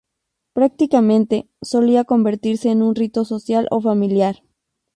Prácticamente, solía convertirse en un rito social o familiar.